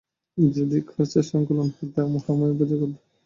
যদি খরচার সঙ্কুলান হয় তো মহামায়ার পুজো করব।